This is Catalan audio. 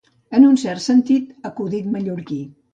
En un cert sentit, acudit mallorquí.